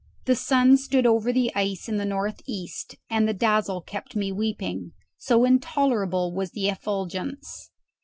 The sun stood over the ice in the north east, and the dazzle kept me weeping, so intolerable was the effulgence.